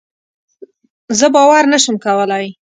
زه باور نشم کولی.